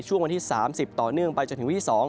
ช่วงวันที่๓๐ต่อเนื่องไปจนถึงวิธี๒